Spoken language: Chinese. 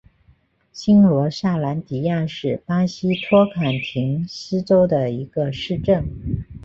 新罗萨兰迪亚是巴西托坎廷斯州的一个市镇。